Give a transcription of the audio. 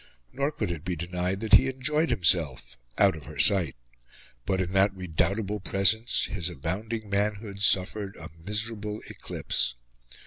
Nor could it be denied that he enjoyed himself out of her sight; but, in that redoubtable presence, his abounding manhood suffered a miserable eclipse.